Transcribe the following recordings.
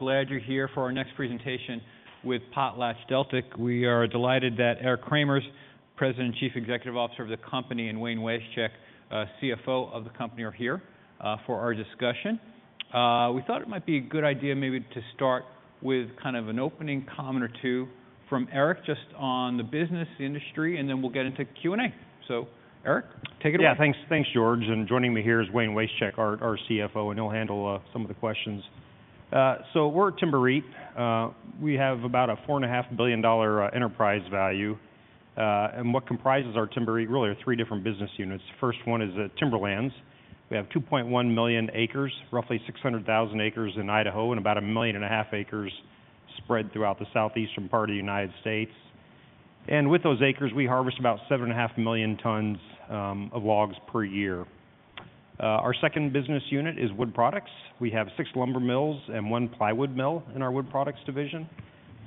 Glad you're here for our next presentation with PotlatchDeltic. We are delighted that Eric Cremers, President and Chief Executive Officer of the company, and Wayne Wasechek, CFO of the company, are here for our discussion. We thought it might be a good idea maybe to start with kind of an opening comment or two from Eric just on the business industry, and then we'll get into Q&A. So, Eric, take it away. Yeah, thanks, George. And joining me here is Wayne Wasechek, our CFO, and he'll handle some of the questions. So we're a timber REIT. We have about a $4.5 billion enterprise value. And what comprises our timber REIT really are three different business units. The first one is Timberlands. We have 2.1 million acres, roughly 600,000 acres in Idaho, and about a million and a half acres spread throughout the Southeastern part of the United States. And with those acres, we harvest about 7.5 million tons of logs per year. Our second business unit is Wood Products. We have six lumber mills and one plywood mill in our wood products division.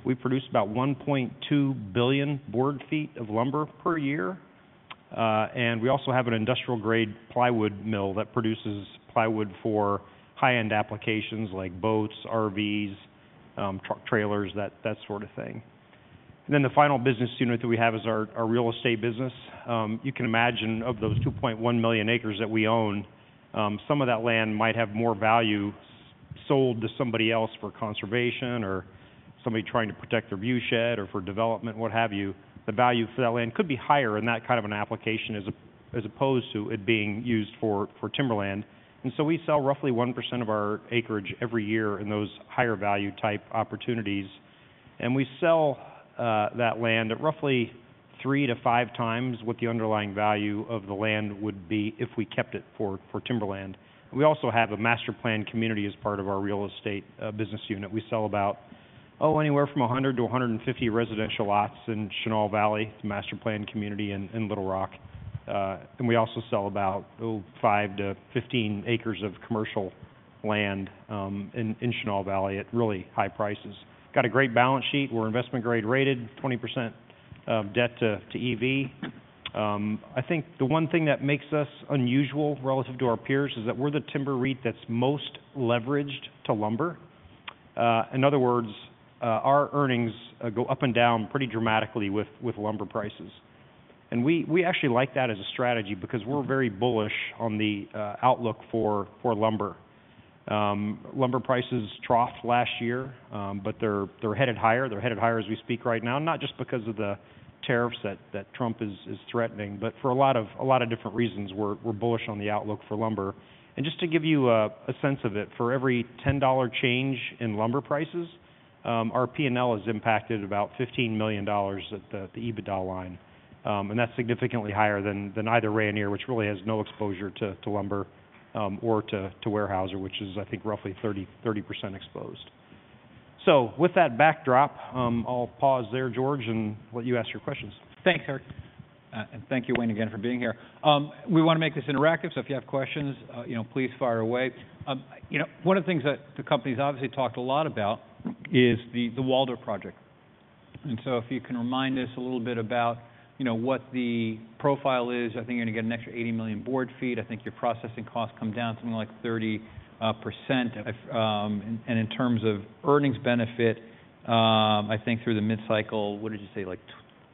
We produce about 1.2 billion board feet of lumber per year. And we also have an industrial-grade plywood mill that produces plywood for high-end applications like boats, RVs, trailers, that sort of thing. Then the final business unit that we have is our Real Estate business. You can imagine of those 2.1 million acres that we own, some of that land might have more value sold to somebody else for conservation or somebody trying to protect their viewshed or for development, what have you. The value for that land could be higher in that kind of an application as opposed to it being used for timberland. We sell roughly 1% of our acreage every year in those higher-value-type opportunities. We sell that land at roughly three to five times what the underlying value of the land would be if we kept it for timberland. We also have a master-planned community as part of our Real Estate business unit. We sell about anywhere from 100 to 150 residential lots in Chenal Valley, the master-planned community in Little Rock. And we also sell about five to 15 acres of commercial land in Chenal Valley at really high prices. Got a great balance sheet. We're investment-grade-rated, 20% debt-to-EV. I think the one thing that makes us unusual relative to our peers is that we're the timber REIT that's most leveraged to lumber. In other words, our earnings go up and down pretty dramatically with lumber prices. And we actually like that as a strategy because we're very bullish on the outlook for lumber. Lumber prices troughed last year, but they're headed higher. They're headed higher as we speak right now, not just because of the tariffs that Trump is threatening, but for a lot of different reasons. We're bullish on the outlook for lumber. And just to give you a sense of it, for every $10 change in lumber prices, our P&L has impacted about $15 million at the EBITDA line. And that's significantly higher than either Rayonier, which really has no exposure to lumber, or to Weyerhaeuser, which is, I think, roughly 30% exposed. So with that backdrop, I'll pause there, George, and let you ask your questions. Thanks, Eric. And thank you, Wayne, again for being here. We want to make this interactive, so if you have questions, please fire away. One of the things that the company's obviously talked a lot about is the Waldo project. And so if you can remind us a little bit about what the profile is, I think you're going to get an extra 80 million board feet. I think your processing costs come down something like 30%. And in terms of earnings benefit, I think through the mid-cycle, what did you say, like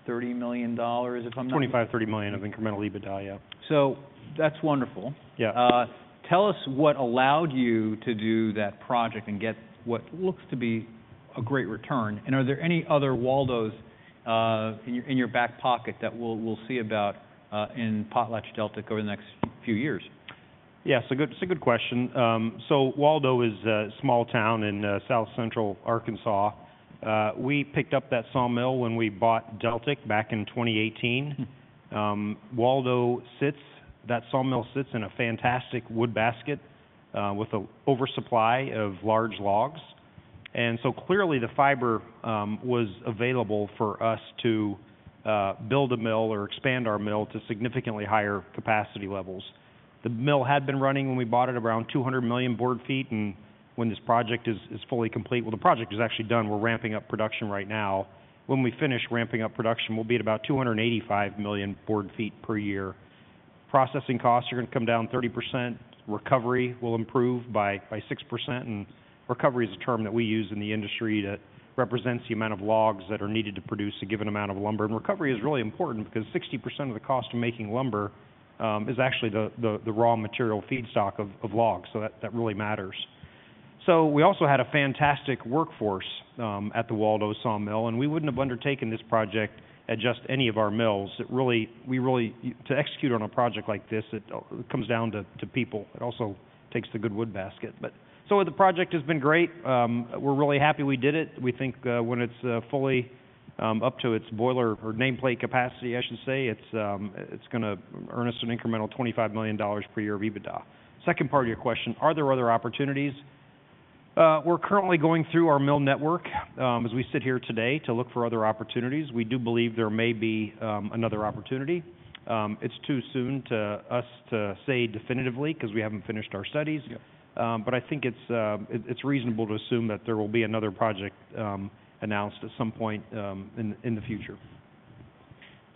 $30 million if I'm not. 25-30 million of incremental EBITDA, yeah. That's wonderful. Yeah. Tell us what allowed you to do that project and get what looks to be a great return. And are there any other Waldos in your back pocket that we'll see about in PotlatchDeltic over the next few years? Yeah, it's a good question, so Waldo is a small town in South-Central Arkansas. We picked up that sawmill when we bought Deltic back in 2018. Waldo sits, that sawmill sits in a fantastic wood basket with an oversupply of large logs, and so clearly the fiber was available for us to build a mill or expand our mill to significantly higher-capacity levels. The mill had been running when we bought it around 200 million board feet, and when this project is fully complete, well, the project is actually done. We're ramping up production right now. When we finish ramping up production, we'll be at about 285 million board feet per year. Processing costs are going to come down 30%. Recovery will improve by 6%. Recovery is a term that we use in the industry that represents the amount of logs that are needed to produce a given amount of lumber. Recovery is really important because 60% of the cost of making lumber is actually the raw material feedstock of logs. That really matters. We also had a fantastic workforce at the Waldo sawmill. We wouldn't have undertaken this project at just any of our mills. It really, we really, to execute on a project like this, it comes down to people. It also takes the good wood basket. The project has been great. We're really happy we did it. We think when it's fully up to its boiler or nameplate capacity, I should say, it's going to earn us an incremental $25 million per year of EBITDA. Second part of your question, are there other opportunities? We're currently going through our mill network as we sit here today to look for other opportunities. We do believe there may be another opportunity. It's too soon for us to say definitively because we haven't finished our studies, but I think it's reasonable to assume that there will be another project announced at some point in the future.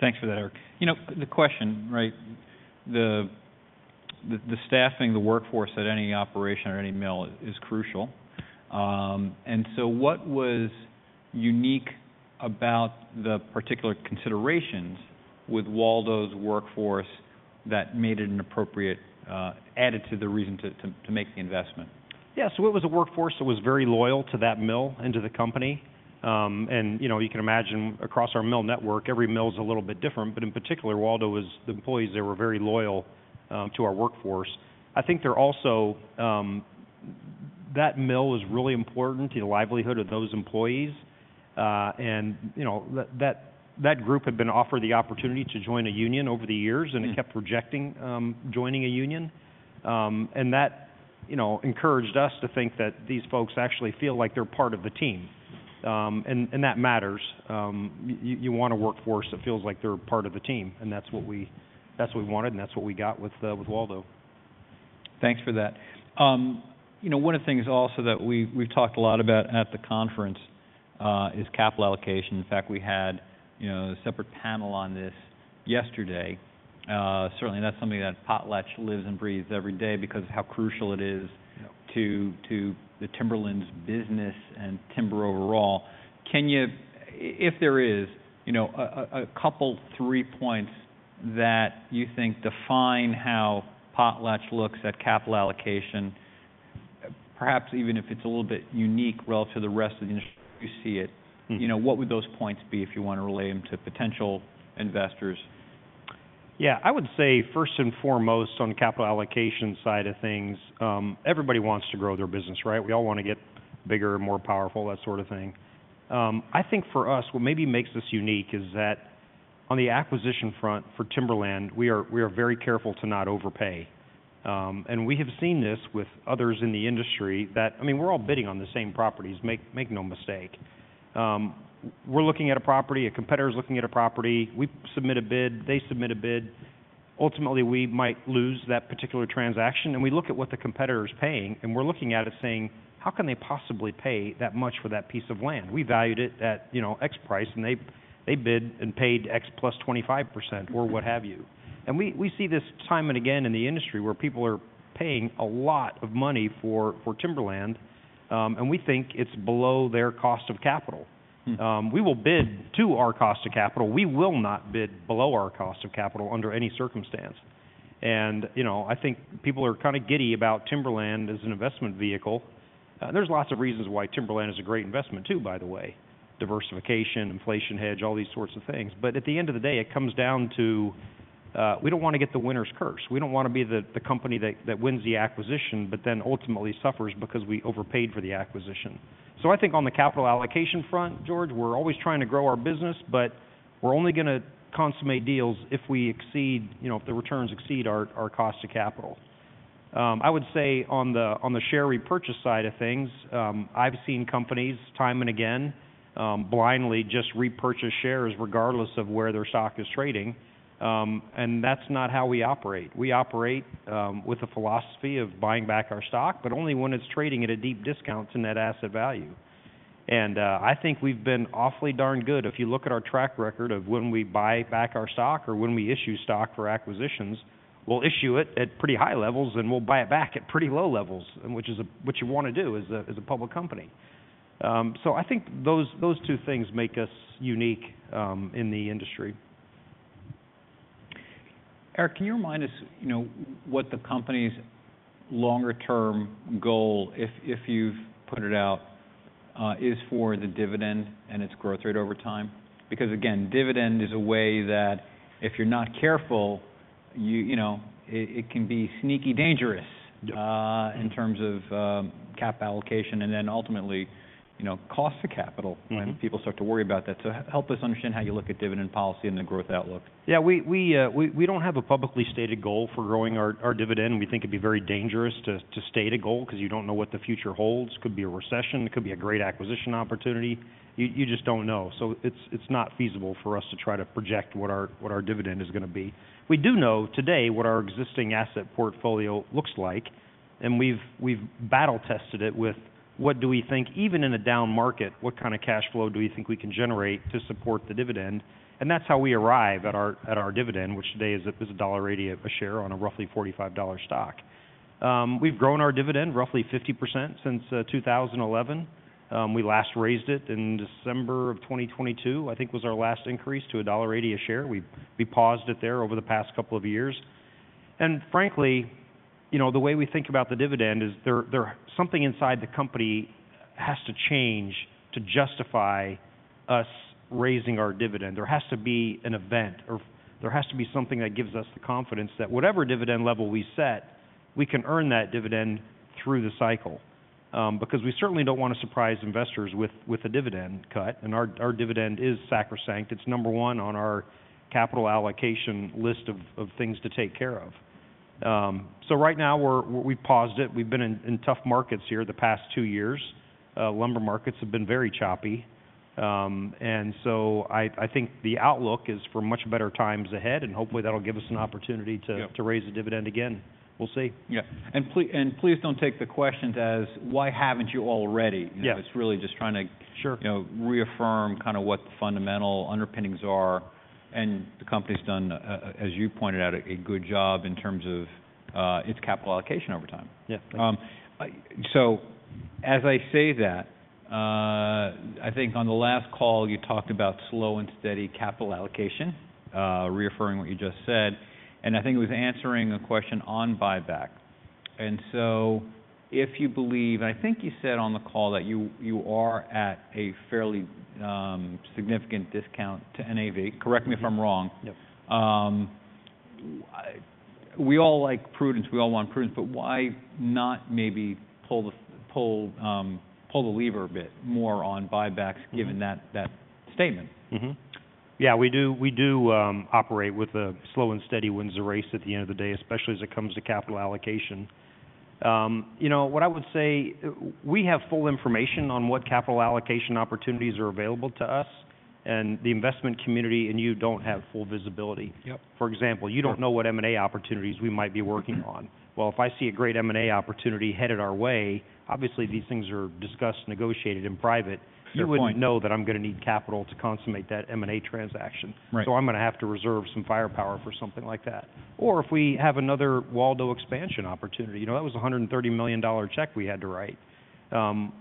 Thanks for that, Eric. You know, the question, right, the staffing, the workforce at any operation or any mill is crucial. And so what was unique about the particular considerations with Waldo's workforce that made it an appropriate-additive reason to make the investment? Yeah, so it was a workforce that was very loyal to that mill and to the company. And you can imagine across our mill network, every mill is a little bit different. But in particular, Waldo was, the employees there were very loyal to our workforce. I think they're also, that mill was really important to the livelihood of those employees. And that group had been offered the opportunity to join a union over the years, and it kept rejecting joining a union. And that encouraged us to think that these folks actually feel like they're part of the team. And that matters. You want a workforce that feels like they're part of the team. And that's what we wanted, and that's what we got with Waldo. Thanks for that. One of the things also that we've talked a lot about at the conference is capital allocation. In fact, we had a separate panel on this yesterday. Certainly, that's something that Potlatch lives and breathes every day because of how crucial it is to the Timberlands business and timber overall. Can you, if there is, a couple-three points that you think define how Potlatch looks at capital allocation, perhaps even if it's a little bit unique relative to the rest of the industry you see it, what would those points be if you want to relate them to potential investors? Yeah, I would say first and foremost on the capital allocation side of things, everybody wants to grow their business, right? We all want to get bigger, more powerful, that sort of thing. I think for us, what maybe makes this unique is that on the acquisition front for timberland, we are very careful to not overpay. And we have seen this with others in the industry that, I mean, we're all bidding on the same properties, make no mistake. We're looking at a property, a competitor's looking at a property. We submit a bid, they submit a bid. Ultimately, we might lose that particular transaction. And we look at what the competitor's paying. And we're looking at it saying, how can they possibly pay that much for that piece of land? We valued it at X price, and they bid and paid X plus 25% or what have you. And we see this time and again in the industry where people are paying a lot of money for timberland. We think it's below their cost of capital. We will bid to our cost of capital. We will not bid below our cost of capital under any circumstance. I think people are kind of giddy about timberland as an investment vehicle. There's lots of reasons why timberland is a great investment too, by the way, diversification, inflation hedge, all these sorts of things. But at the end of the day, it comes down to we don't want to get the winner's curse. We don't want to be the company that wins the acquisition, but then ultimately suffers because we overpaid for the acquisition. So I think on the capital allocation front, George, we're always trying to grow our business, but we're only going to consummate deals if we exceed, if the returns exceed our cost of capital. I would say on the share-repurchase side of things, I've seen companies time and again blindly just repurchase shares regardless of where their stock is trading. And that's not how we operate. We operate with a philosophy of buying back our stock, but only when it's trading at a deep discount to net asset value. And I think we've been awfully darn good. If you look at our track record of when we buy back our stock or when we issue stock for acquisitions, we'll issue it at pretty high levels, and we'll buy it back at pretty low levels, which is what you want to do as a public company. I think those two things make us unique in the industry. Eric, can you remind us what the company's longer-term goal, if you've put it out, is for the dividend and its growth rate over time? Because again, dividend is a way that if you're not careful, it can be sneaky-dangerous in terms of capital allocation and then ultimately cost of capital when people start to worry about that. So help us understand how you look at dividend policy and the growth outlook. Yeah, we don't have a publicly stated goal for growing our dividend. We think it'd be very dangerous to state a goal because you don't know what the future holds. It could be a recession. It could be a great acquisition opportunity. You just don't know. So it's not feasible for us to try to project what our dividend is going to be. We do know today what our existing asset portfolio looks like. And we've battle-tested it with what do we think, even in a down market, what kind of cash flow do we think we can generate to support the dividend. And that's how we arrive at our dividend, which today is $1.80 a share on a roughly $45 stock. We've grown our dividend roughly 50% since 2011. We last raised it in December of 2022, I think was our last increase to $1.80 a share. We paused it there over the past couple of years. And frankly, the way we think about the dividend is there's something inside the company has to change to justify us raising our dividend. There has to be an event or there has to be something that gives us the confidence that whatever dividend level we set, we can earn that dividend through-the-cycle. Because we certainly don't want to surprise investors with a dividend cut. And our dividend is sacrosanct. It's number one on our capital allocation list of things to take care of. So right now we've paused it. We've been in tough markets here the past two years. Lumber markets have been very choppy. And so I think the outlook is for much better times ahead. And hopefully that'll give us an opportunity to raise the dividend again. We'll see. Yeah. And please don't take the questions as, why haven't you already? It's really just trying to reaffirm kind of what the fundamental underpinnings are. And the company's done, as you pointed out, a good job in terms of its capital allocation over time. Yeah. So as I say that, I think on the last call, you talked about slow-and-steady capital allocation, reaffirming what you just said. And I think it was answering a question on buyback. And so if you believe, and I think you said on the call that you are at a fairly significant discount to NAV, correct me if I'm wrong. Yep. We all like prudence. We all want prudence. But why not maybe pull the lever a bit more on buybacks given that statement? Yeah, we do operate with a slow-and-steady-wins-the-race at the end of the day, especially as it comes to capital allocation. You know, what I would say, we have full information on what capital allocation opportunities are available to us, and the investment community and you don't have full visibility. For example, you don't know what M&A opportunities we might be working on. Well, if I see a great M&A opportunity headed our way, obviously these things are discussed, negotiated in private. You wouldn't know that I'm going to need capital to consummate that M&A transaction. So I'm going to have to reserve some firepower for something like that. Or if we have another Waldo expansion opportunity, you know, that was a $130 million check we had to write.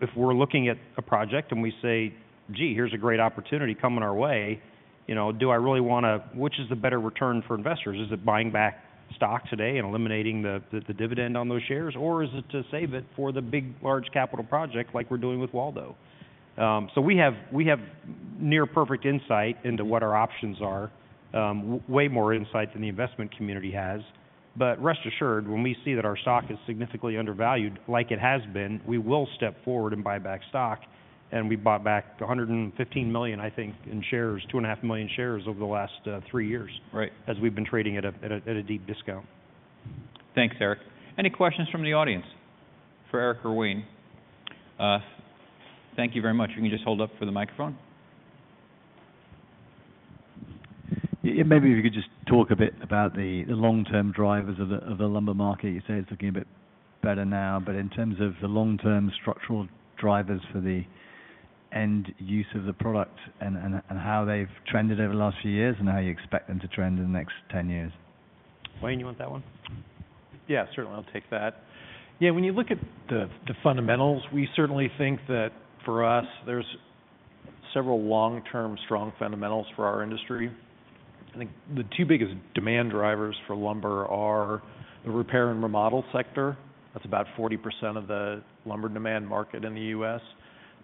If we're looking at a project and we say, gee, here's a great opportunity coming our way. Do I really want to, which is the better return for investors? Is it buying back stock today and eliminating the dividend on those shares? Or is it to save it for the big large-capital project like we're doing with Waldo? So we have near-perfect insight into what our options are, way more insight than the investment community has. But rest assured, when we see that our stock is significantly undervalued like it has been, we will step forward and buy back stock. And we bought back $115 million, I think, in shares, 2.5 million shares over the last three years as we've been trading at a deep discount. Thanks, Eric. Any questions from the audience for Eric or Wayne? Thank you very much. You can just hold up for the microphone. Maybe if you could just talk a bit about the long-term drivers of the lumber market. You say it's looking a bit better now. But in terms of the long-term structural drivers for the end use of the product and how they've trended over the last few years and how you expect them to trend in the next 10 years? Wayne, you want that one? Yeah, certainly I'll take that. Yeah, when you look at the fundamentals, we certainly think that for us, there's several long-term strong fundamentals for our industry. I think the two biggest demand drivers for lumber are the repair-and-remodel sector. That's about 40% of the lumber demand market in the U.S.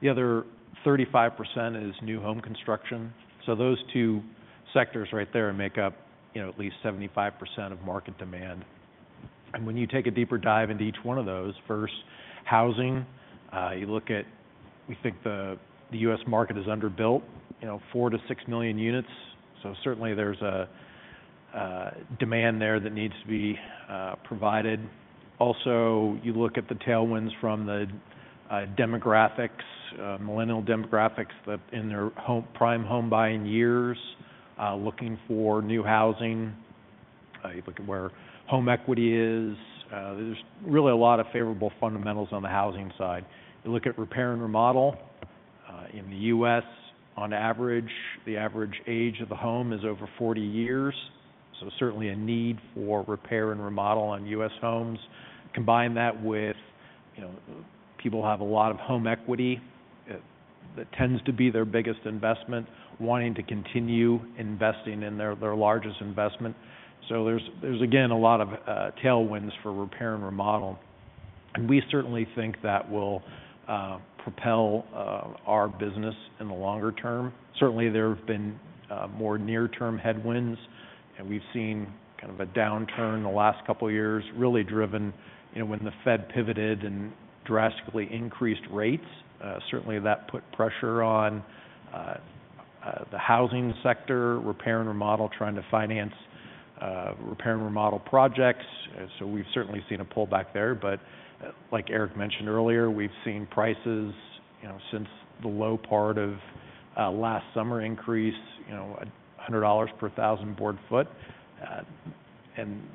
The other 35% is new-home construction. So those two sectors right there make up at least 75% of market demand. And when you take a deeper dive into each one of those, first housing, you look at, we think the U.S. market is underbuilt, 4-6 million units. So certainly there's a demand there that needs to be provided. Also, you look at the tailwinds from the demographics, millennial demographics in their prime home-buying years, looking for new housing. You look at where home equity is. There's really a lot of favorable fundamentals on the housing side. You look at repair-and-remodel in the U.S., on average, the average age of the home is over 40 years. So certainly a need for repair and remodel on U.S. homes. Combine that with people have a lot of home equity. That tends to be their biggest investment, wanting to continue investing in their largest investment. So there's again a lot of tailwinds for repair-and-remodel. And we certainly think that will propel our business in the longer-term. Certainly, there have been more near-term headwinds. And we've seen kind of a downturn in the last couple of years, really driven when the Fed pivoted and drastically increased rates. Certainly, that put pressure on the housing sector, repair-and-remodel, trying to finance repair-and-remodel projects. So we've certainly seen a pullback there. Like Eric mentioned earlier, we've seen prices since the low part of last summer increase $100 per 1,000 board feet.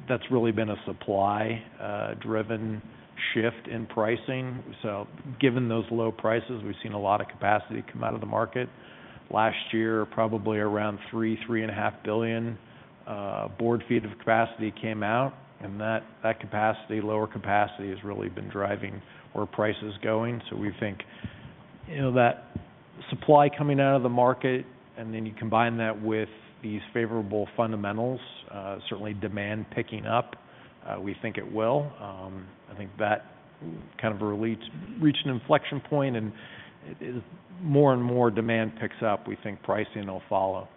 That's really been a supply-driven shift in pricing. Given those low prices, we've seen a lot of capacity come out of the market. Last year, probably around 3-3.5 billion board feet of capacity came out. That capacity, lower capacity has really been driving where price is going. We think that supply coming out of the market and then you combine that with these favorable fundamentals, certainly demand picking up, we think it will. I think that kind of really reached an inflection point. As more and more demand picks up, we think pricing will follow.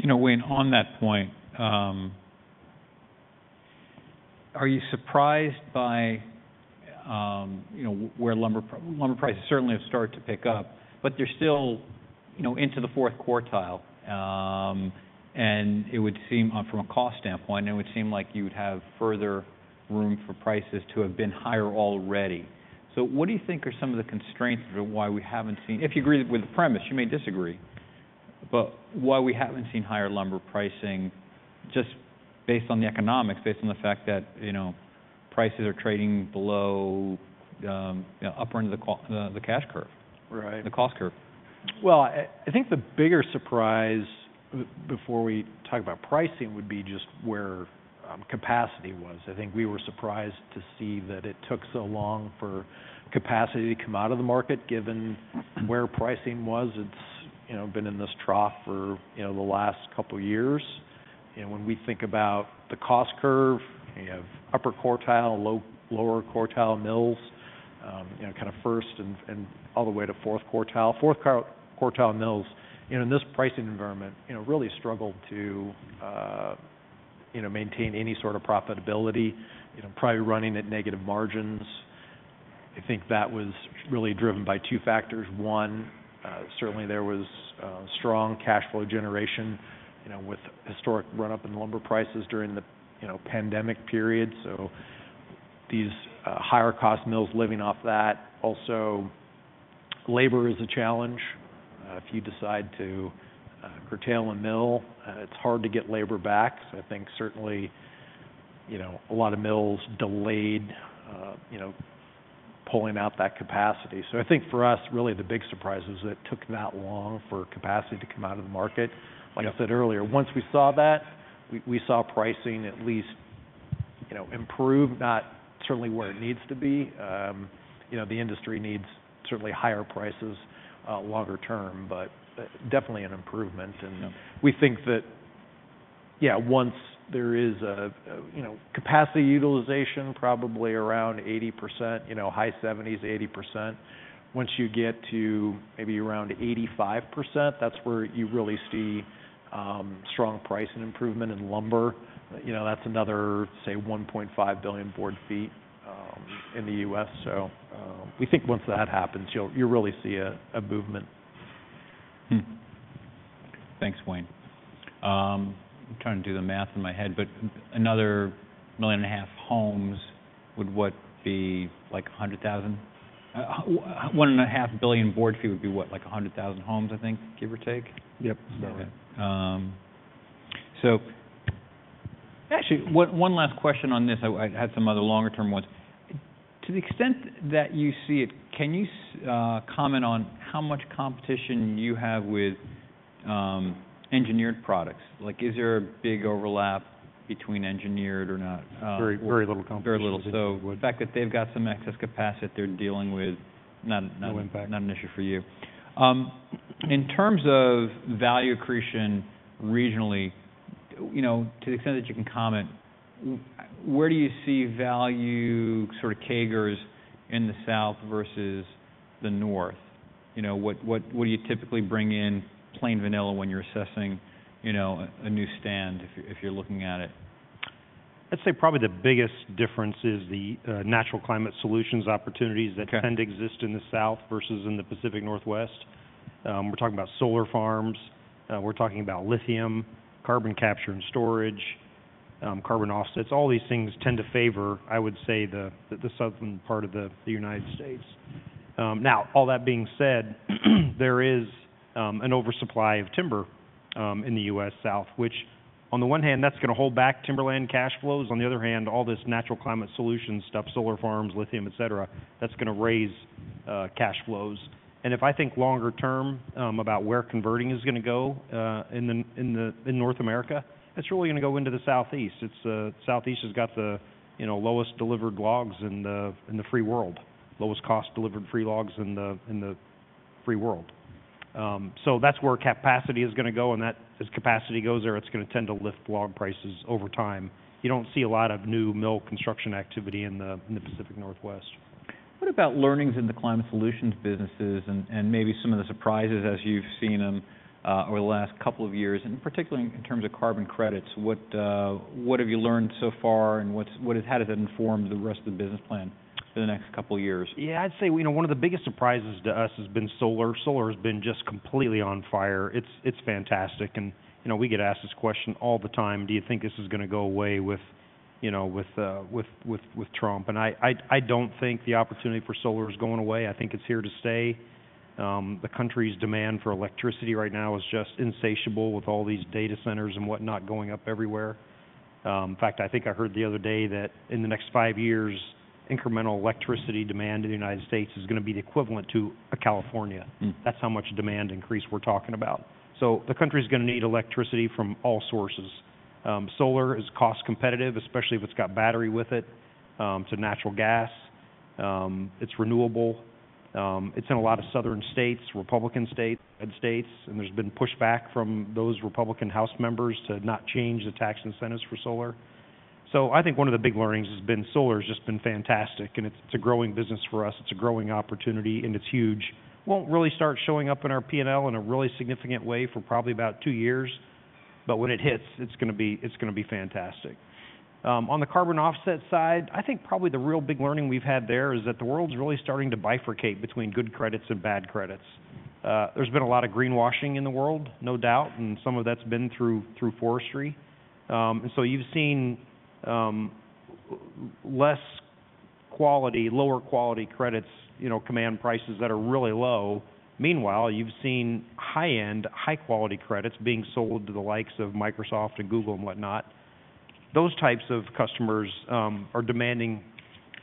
You know, Wayne, on that point, are you surprised by where lumber prices certainly have started to pick up, but they're still into the fourth quartile? And it would seem from a cost standpoint, it would seem like you would have further room for prices to have been higher already. So what do you think are some of the constraints for why we haven't seen, if you agree with the premise, you may disagree, but why we haven't seen higher lumber pricing just based on the economics, based on the fact that prices are trading below upper end of the cash curve, the cost curve? I think the bigger surprise before we talk about pricing would be just where capacity was. I think we were surprised to see that it took so long for capacity to come out of the market given where pricing was. It's been in this trough for the last couple of years. When we think about the cost curve, you have upper-quartile, lower-quartile mills, kind of first and all the way to fourth-quartile. Fourth quartile mills in this pricing environment really struggled to maintain any sort of profitability, probably running at negative margins. I think that was really driven by two factors. One, certainly there was strong cash-flow generation with historic run-up in lumber prices during the pandemic period. So these higher-cost mills living off that. Also, labor is a challenge. If you decide to curtail a mill, it's hard to get labor back. I think certainly a lot of mills delayed pulling out that capacity, so I think for us, really the big surprise was that it took that long for capacity to come out of the market. Like I said earlier, once we saw that, we saw pricing at least improve, not certainly where it needs to be. The industry needs certainly higher prices longer-term, but definitely an improvement, and we think that, yeah, once there is capacity utilization, probably around 80%, high-70s, 80%. Once you get to maybe around 85%, that's where you really see strong price and improvement in lumber. That's another, say, 1.5 billion board feet in the U.S., so we think once that happens, you'll really see a movement. Thanks, Wayne. I'm trying to do the math in my head, but another 1.5 million homes would what be like 100,000? 1.5 billion board feet would be what, like 100,000 homes, I think, give or take? Yep, about right. So actually, one last question on this. I had some other longer-term ones. To the extent that you see it, can you comment on how much competition you have with engineered products? Like, is there a big overlap between engineered or not? Very little competition. Very little. So the fact that they've got some excess capacity, they're dealing with not an issue for you. In terms of value accretion regionally, to the extent that you can comment, where do you see value sort of CAGRs in the South versus the North? What do you typically bring in plain-vanilla when you're assessing a new stand if you're looking at it? I'd say probably the biggest difference is the Natural Climate Solutions opportunities that tend to exist in the South versus in the Pacific Northwest. We're talking about solar farms. We're talking about lithium, carbon capture and storage, carbon offsets. All these things tend to favor, I would say, the Southern part of the United States. Now, all that being said, there is an oversupply of timber in the U.S. South, which on the one hand, that's going to hold back timberland cash flows. On the other hand, all this natural climate solution stuff, solar farms, lithium, et cetera, that's going to raise cash flows, and if I think longer-term about where converting is going to go in North America, that's really going to go into the Southeast. Southeast has got the lowest delivered logs in the free world, lowest cost delivered free logs in the free world. So that's where capacity is going to go. And as capacity goes there, it's going to tend to lift log prices over time. You don't see a lot of new mill construction activity in the Pacific Northwest. What about learnings in the climate solutions businesses and maybe some of the surprises as you've seen them over the last couple of years, and particularly in terms of carbon credits? What have you learned so far and how does that inform the rest of the business plan for the next couple of years? Yeah, I'd say one of the biggest surprises to us has been solar. Solar has been just completely on fire. It's fantastic. And we get asked this question all the time. Do you think this is going to go away with Trump? And I don't think the opportunity for solar is going away. I think it's here to stay. The country's demand for electricity right now is just insatiable with all these data centers and whatnot going up everywhere. In fact, I think I heard the other day that in the next five years, incremental electricity demand in the United States is going to be the equivalent to a California. That's how much demand increase we're talking about. So the country is going to need electricity from all sources. Solar is cost competitive, especially if it's got battery with it to natural gas. It's renewable. It's in a lot of southern states, Republican states, and states, and there's been pushback from those Republican House members to not change the tax incentives for solar, so I think one of the big learnings has been solar has just been fantastic, and it's a growing business for us. It's a growing opportunity, and it's huge. Won't really start showing up in our P&L in a really significant way for probably about two years, but when it hits, it's going to be fantastic. On the carbon offset side, I think probably the real big learning we've had there is that the world's really starting to bifurcate between good credits and bad credits. There's been a lot of greenwashing in the world, no doubt, and some of that's been through forestry, and so you've seen less quality, lower-quality credits command prices that are really low. Meanwhile, you've seen high-end, high-quality credits being sold to the likes of Microsoft and Google and whatnot. Those types of customers are demanding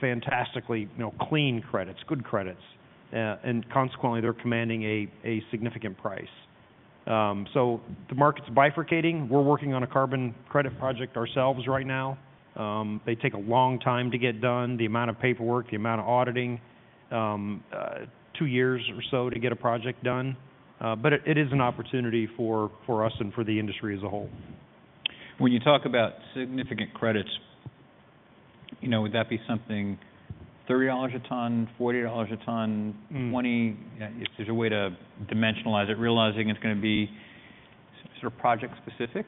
fantastically clean credits, good credits. And consequently, they're commanding a significant price. So the market's bifurcating. We're working on a carbon credit project ourselves right now. They take a long time to get done, the amount of paperwork, the amount of auditing, two years or so to get a project done. But it is an opportunity for us and for the industry as a whole. When you talk about significant credits, would that be something $30 a ton, $40 a ton, $20? If there's a way to dimensionalize it, realizing it's going to be sort of project specific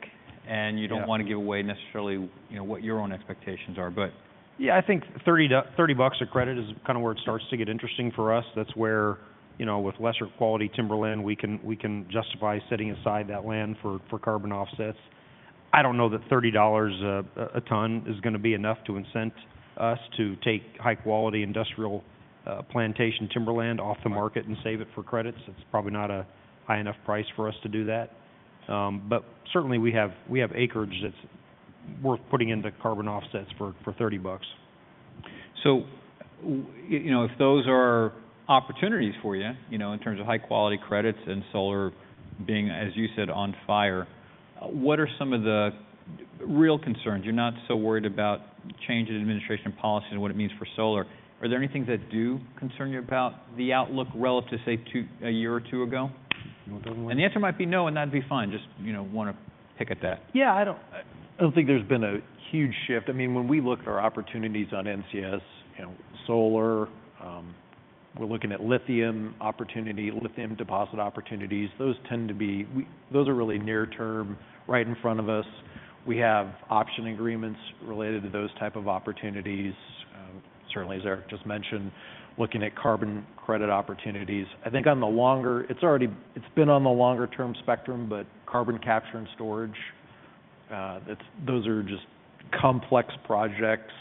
and you don't want to give away necessarily what your own expectations are, but. Yeah, I think $30 a credit is kind of where it starts to get interesting for us. That's where with lesser quality timberland, we can justify setting aside that land for carbon offsets. I don't know that $30 a ton is going to be enough to incent us to take high-quality industrial plantation timberland off the market and save it for credits. It's probably not a high enough price for us to do that. But certainly, we have acreage that's worth putting into carbon offsets for $30. So if those are opportunities for you in terms of high-quality credits and solar being, as you said, on fire, what are some of the real concerns? You're not so worried about change in administration policy and what it means for solar. Are there any things that do concern you about the outlook relative to, say, a year or two ago? And the answer might be no, and that'd be fine. Just want to pick at that. Yeah, I don't think there's been a huge shift. I mean, when we look at our opportunities on NCS, solar, we're looking at lithium opportunity, lithium deposit opportunities. Those tend to be, those are really near term right in front of us. We have option agreements related to those types of opportunities. Certainly, as Eric just mentioned, looking at carbon credit opportunities. I think on the longer, it's been on the longer-term spectrum, but carbon capture and storage, those are just complex projects,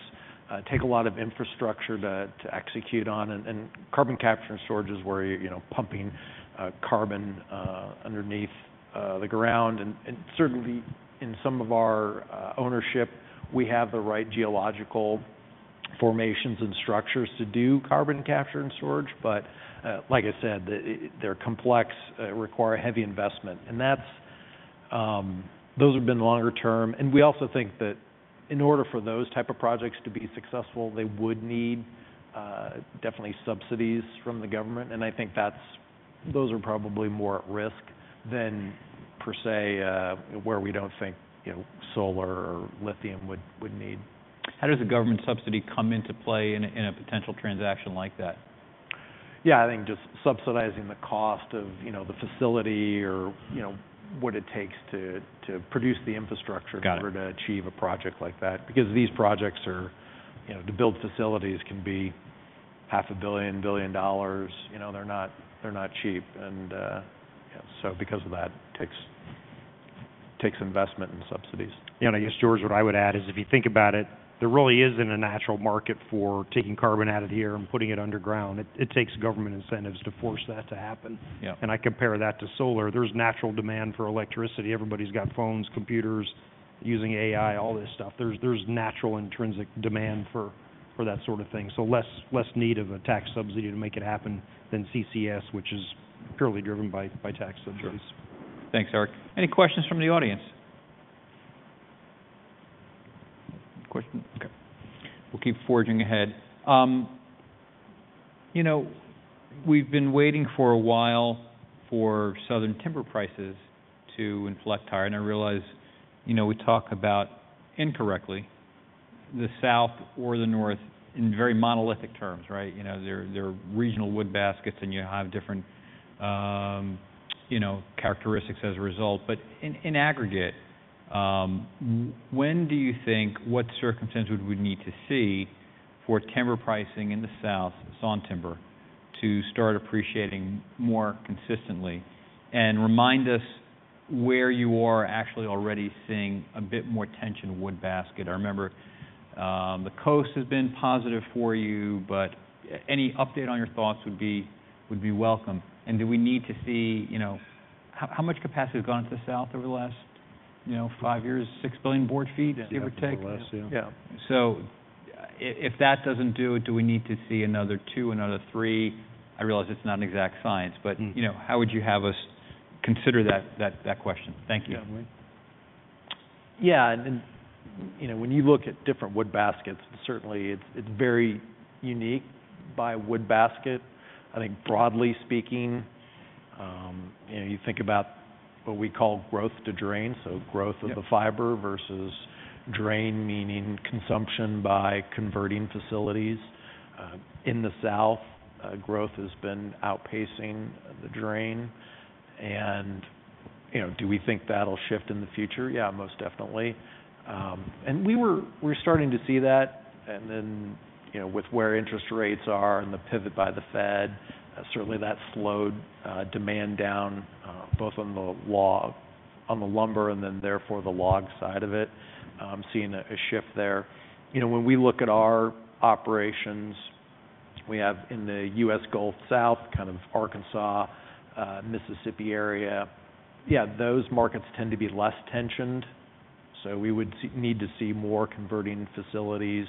take a lot of infrastructure to execute on. And carbon capture and storage is where you're pumping carbon underneath the ground. And certainly, in some of our ownership, we have the right geological formations and structures to do carbon capture and storage. But like I said, they're complex, require heavy investment. And those have been longer-term. We also think that in order for those types of projects to be successful, they would need definitely subsidies from the government. I think those are probably more at risk than per se where we don't think solar or lithium would need. How does a government subsidy come into play in a potential transaction like that? Yeah, I think just subsidizing the cost of the facility or what it takes to produce the infrastructure in order to achieve a project like that. Because these projects to build facilities can be $500 million-$1 billion. They're not cheap. And so because of that, it takes investment and subsidies. Yeah. And I guess George, what I would add is if you think about it, there really isn't a natural market for taking carbon out of the air and putting it underground. It takes government incentives to force that to happen. And I compare that to solar. There's natural demand for electricity. Everybody's got phones, computers, using AI, all this stuff. There's natural intrinsic demand for that sort of thing. So less need of a tax subsidy to make it happen than CCS, which is purely driven by tax subsidies. Thanks, Eric. Any questions from the audience? Question? Okay. We'll keep forging ahead. We've been waiting for a while for Southern timber prices to inflect higher. And I realize we talk about incorrectly the South or the north in very monolithic terms, right? They're regional wood baskets and you have different characteristics as a result. But in aggregate, when do you think, what circumstances would we need to see for timber pricing in the South, sawn timber, to start appreciating more consistently? And remind us where you are actually already seeing a bit more tension in wood basket. I remember the coast has been positive for you, but any update on your thoughts would be welcome. And do we need to see how much capacity has gone to the South over the last five years, six billion board feet, give or take? Give or less, yeah. So if that doesn't do it, do we need to see another two, another three? I realize it's not an exact science, but how would you have us consider that question? Thank you. Yeah. When you look at different wood baskets, certainly it's very unique by wood basket. I think broadly speaking, you think about what we call growth-to-drain. So growth of the fiber versus drain meaning consumption by converting facilities. In the south, growth has been outpacing the drain. And do we think that'll shift in the future? Yeah, most definitely. And we're starting to see that. And then with where interest rates are and the pivot by the Fed, certainly that slowed demand down both on the lumber and then therefore the log side of it, seeing a shift there. When we look at our operations, we have in the U.S. Gulf South, kind of Arkansas, Mississippi area, yeah, those markets tend to be less tensioned. So we would need to see more converting facilities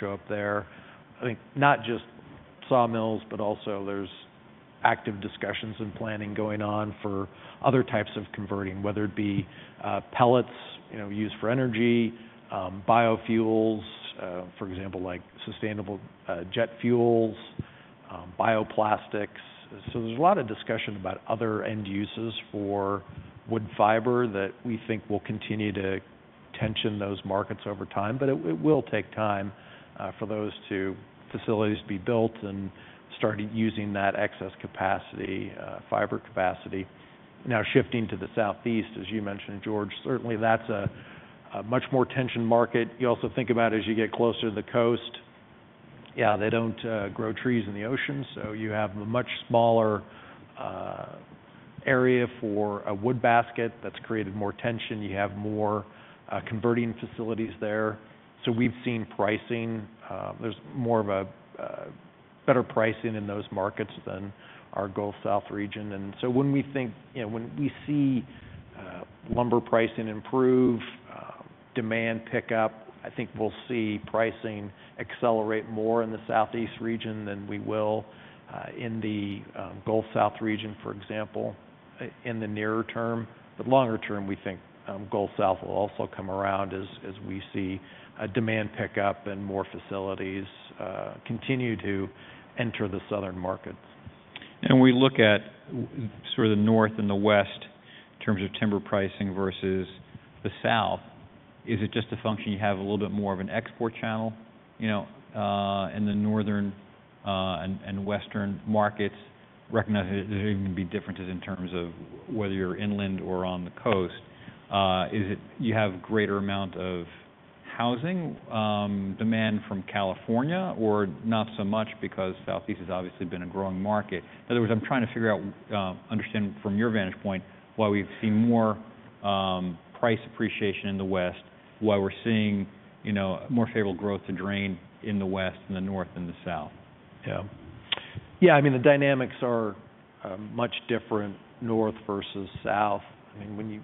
show up there. I think not just sawmills, but also there's active discussions and planning going on for other types of converting, whether it be pellets used for energy, biofuels, for example, like sustainable jet fuels, bioplastics. So there's a lot of discussion about other end uses for wood fiber that we think will continue to tension those markets over time. But it will take time for those facilities to be built and start using that excess capacity, fiber capacity. Now shifting to the Southeast, as you mentioned, George, certainly that's a much more tension market. You also think about as you get closer to the Coast, yeah, they don't grow trees in the ocean. So you have a much smaller area for a wood basket that's created more tension. You have more converting facilities there. So we've seen pricing. There's more of a better pricing in those markets than our Gulf South region. And so when we think, when we see lumber pricing improve, demand pick up, I think we'll see pricing accelerate more in the Southeast region than we will in the Gulf South region, for example, in the nearer term. But longer-term, we think Gulf South will also come around as we see demand pick up and more facilities continue to enter the Southern markets. When we look at sort of the North and the West in terms of timber pricing versus the South, is it just a function you have a little bit more of an export channel? And the Northern and Western markets, recognizing there can be differences in terms of whether you're inland or on the coast, you have a greater amount of housing demand from California or not so much because Southeast has obviously been a growing market. In other words, I'm trying to figure out, understand from your vantage point, why we've seen more price appreciation in the West, why we're seeing more favorable growth-to-drain in the West than the North and the South. Yeah. Yeah, I mean, the dynamics are much different North versus South. I mean, when you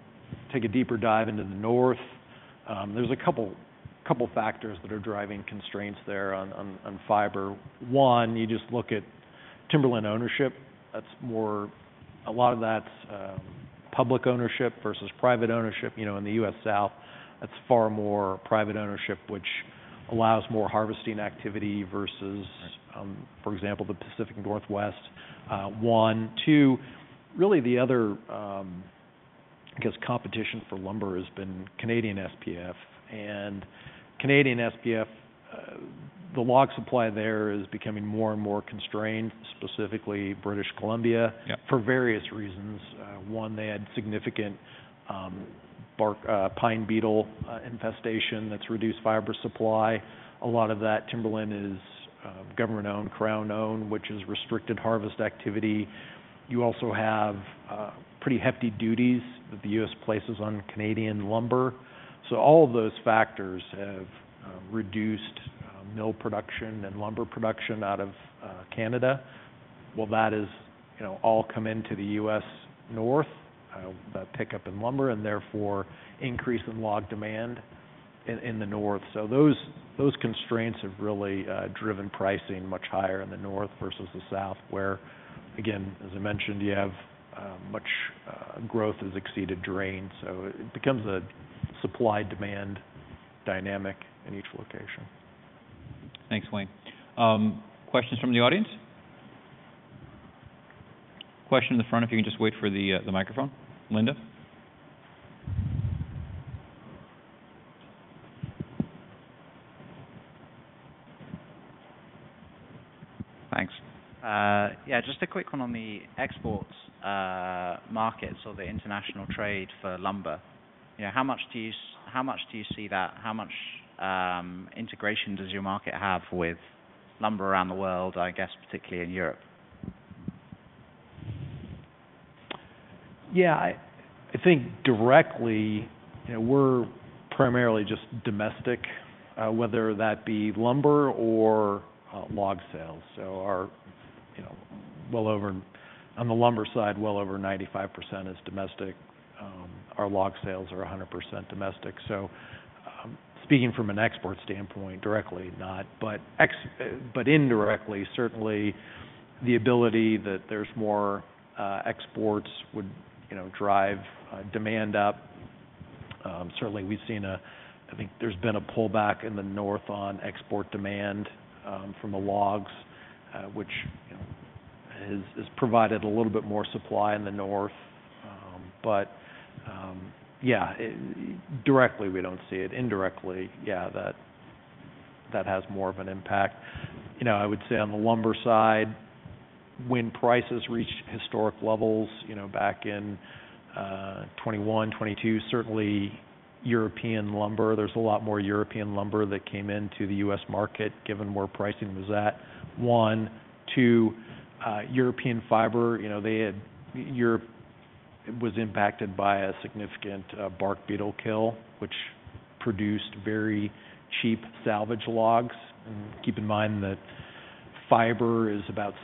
take a deeper dive into the North, there's a couple of factors that are driving constraints there on fiber. One, you just look at timberland ownership. That's more. A lot of that's public ownership versus private ownership. In the U.S. South, that's far more private ownership, which allows more harvesting activity versus, for example, the Pacific Northwest. One. Two, really the other, I guess, competition for lumber has been Canadian SPF. And Canadian SPF, the log supply there is becoming more and more constrained, specifically British Columbia for various reasons. One, they had significant pine beetle infestation that's reduced fiber supply. A lot of that timberland is government-owned, Crown-owned, which is restricted harvest activity. You also have pretty hefty duties that the U.S. places on Canadian lumber. All of those factors have reduced mill production and lumber production out of Canada. That has all come into the U.S. North, that pickup in lumber and therefore increase in log demand in the North. Those constraints have really driven pricing much higher in the North versus the South, where, again, as I mentioned, much growth has exceeded drain. It becomes a supply-demand dynamic in each location. Thanks, Wayne. Questions from the audience? Question in the front, if you can just wait for the microphone. Linda? Thanks. Yeah, just a quick one on the export markets or the international trade for lumber. How much do you see that? How much integration does your market have with lumber around the world, I guess, particularly in Europe? Yeah, I think directly we're primarily just domestic, whether that be lumber or log sales. So well over on the lumber side, well over 95% is domestic. Our log sales are 100% domestic. So speaking from an export standpoint, directly not, but indirectly, certainly the ability that there's more exports would drive demand up. Certainly, we've seen a, I think there's been a pullback in the North on export demand from the logs, which has provided a little bit more supply in the North. But yeah, directly we don't see it. Indirectly, yeah, that has more of an impact. I would say on the lumber side, when prices reached historic levels back in 2021, 2022, certainly European lumber, there's a lot more European lumber that came into the U.S. market given where pricing was at. One. Two, European fiber, it was impacted by a significant bark beetle kill, which produced very cheap salvage logs. And keep in mind that fiber is about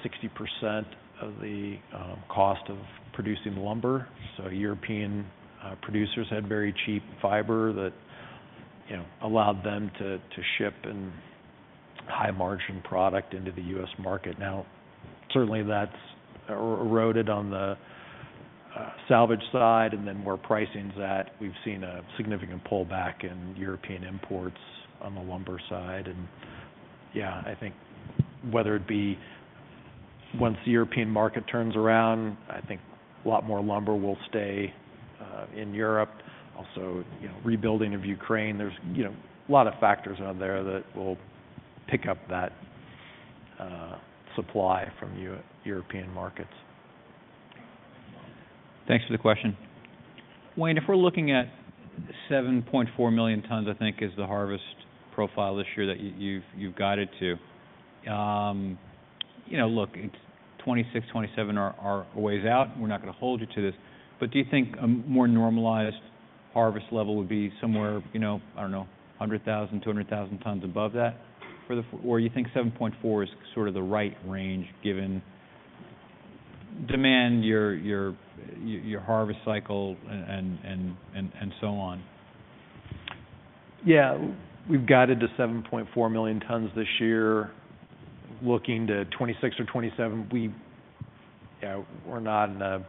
60% of the cost of producing the lumber. So European producers had very cheap fiber that allowed them to ship a high-margin product into the U.S. market. Now, certainly that's eroded on the salvage side. And then where pricing's at, we've seen a significant pullback in European imports on the lumber side. And yeah, I think whether it be once the European market turns around, I think a lot more lumber will stay in Europe. Also, rebuilding of Ukraine, there's a lot of factors out there that will pick up that supply from European markets. Thanks for the question. Wayne, if we're looking at 7.4 million tons, I think, is the harvest profile this year that you've guided to. Look, 2026, 2027 are a ways out. We're not going to hold you to this. But do you think a more normalized harvest level would be somewhere, I don't know, 100,000, 200,000 tons above that? Or you think 7.4 is sort of the right range given demand, your harvest cycle, and so on? Yeah, we've guided to 7.4 million tons this year. Looking to 26 or 27, we're not in a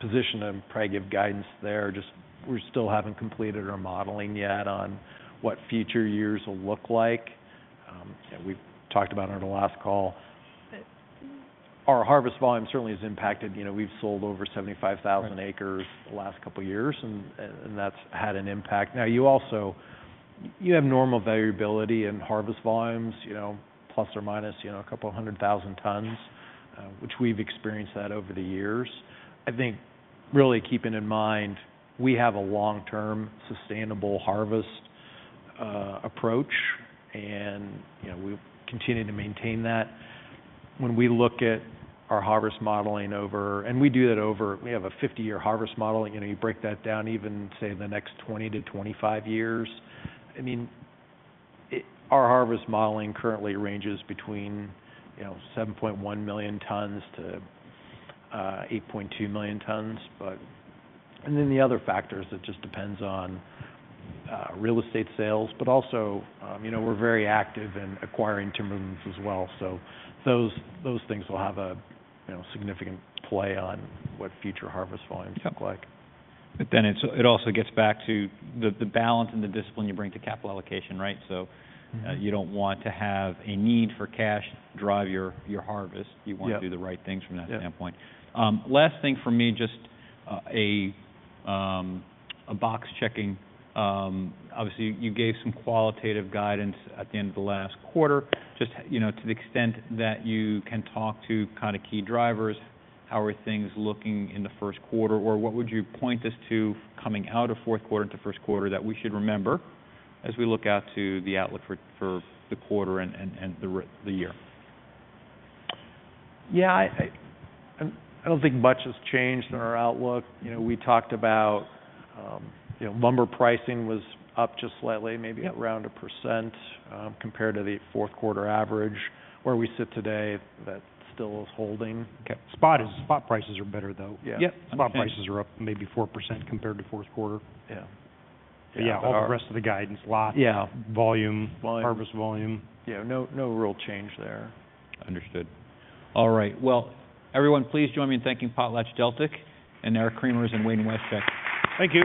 position to probably give guidance there. Just we still haven't completed our modeling yet on what future years will look like. We've talked about it on the last call. Our harvest volume certainly has impacted. We've sold over 75,000 acres the last couple of years, and that's had an impact. Now, you have normal variability in harvest volumes, plus or minus a couple of hundred thousand tons, which we've experienced that over the years. I think really keeping in mind we have a long-term sustainable harvest approach, and we continue to maintain that. When we look at our harvest modeling over, and we do that over, we have a 50-year harvest model. You break that down even, say, the next 20-25 years. I mean, our harvest modeling currently ranges between 7.1-8.2 million tons. And then the other factors, it just depends on real estate sales. But also we're very active in acquiring Timberlands as well. So those things will have a significant play on what future harvest volumes look like. But then it also gets back to the balance and the discipline you bring to capital allocation, right? So you don't want to have a need for cash drive your harvest. You want to do the right things from that standpoint. Last thing for me, just a box checking. Obviously, you gave some qualitative guidance at the end of the last quarter. Just to the extent that you can talk to kind of key drivers, how are things looking in the first quarter? Or what would you point us to coming out of fourth quarter into first quarter that we should remember as we look out to the outlook for the quarter and the year? Yeah, I don't think much has changed in our outlook. We talked about lumber pricing was up just slightly, maybe around 1% compared to the fourth quarter average. Where we sit today, that still is holding. Okay. Spot prices are better though. Yeah. Spot prices are up maybe 4% compared to fourth quarter. Yeah. All the rest of the guidance, lot, volume, harvest volume. Yeah. No real change there. Understood. All right. Well, everyone, please join me in thanking PotlatchDeltic and Eric Cremers and Wayne Wasechek. Thank you.